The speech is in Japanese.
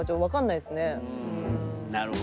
なるほど。